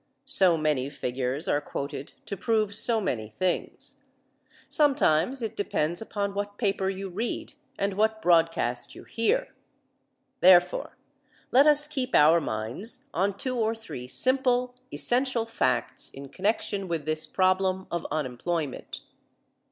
So many figures are quoted to prove so many things. Sometimes it depends upon what paper you read and what broadcast you hear. Therefore, let us keep our minds on two or three simple, essential facts in connection with this problem of unemployment.